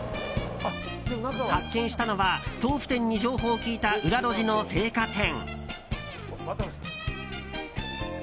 発見したのは豆腐店に情報を聞いた裏路地の青果店。